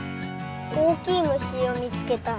おおきいむしをみつけたい。